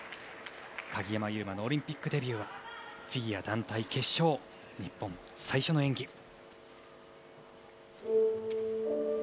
鍵山優真のオリンピックデビューはフィギュア団体決勝、日本最初の演技。